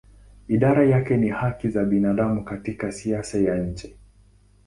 Idara yake ni haki za binadamu katika siasa ya nje.